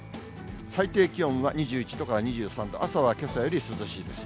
最低気温は２１度から２３度、朝はけさより涼しいです。